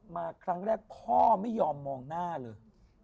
มาครั้งแรกพ่อไม่ยอมมองหน้าเลย